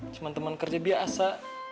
cuma teman kerja biasa